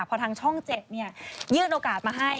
เพราะทางช่อง๗เนี่ยยื่นโอกาสมาให้